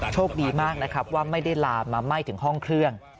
โชคดีมากนะครับว่าไม่ได้ลามมาไหม้ถึงห้องเครื่อง